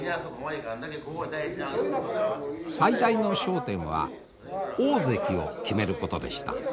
最大の焦点は大関を決めることでした。